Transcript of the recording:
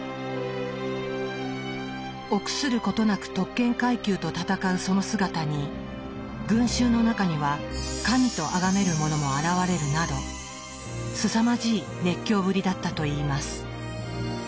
臆することなく特権階級と戦うその姿に群衆の中には神とあがめる者も現れるなどすさまじい熱狂ぶりだったといいます。